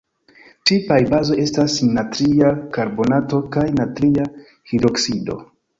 Tipaj bazoj estas natria karbonato kaj natria hidroksido.